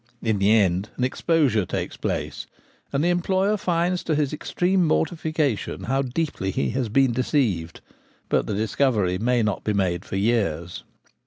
In the end an exposure takes place, and the employer finds to his extreme mortification how deeply he has been deceived ; but the discovery 214 The Gamekeeper at Home. may not be made for years.